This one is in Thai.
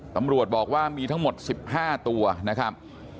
ตำรวจบอกว่ามีทั้งหมด๑๕ตัวนะครับ